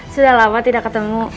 sudah lama tidak ketemu